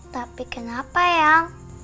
tapi kenapa yang